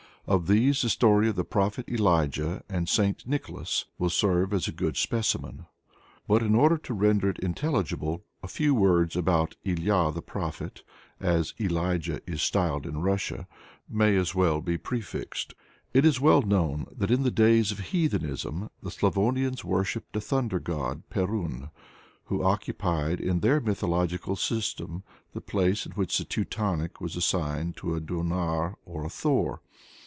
Of these, the story of "The Prophet Elijah and St. Nicholas," will serve as a good specimen. But, in order to render it intelligible, a few words about "Ilya the Prophet," as Elijah is styled in Russia, may as well be prefixed. It is well known that in the days of heathenism the Slavonians worshipped a thunder god, Perun, who occupied in their mythological system the place which in the Teutonic was assigned to a Donar or a Thor.